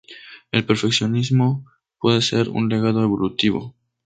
El perfeccionismo puede ser un legado evolutivo.